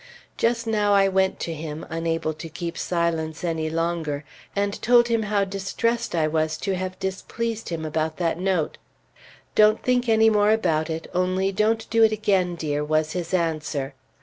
Just now I went to him, unable to keep silence any longer, and told him how distressed I was to have displeased him about that note. "Don't think any more about it, only don't do it again, dear," was his answer.